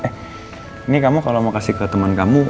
eh ini kamu kalo mau kasih ke temen kamu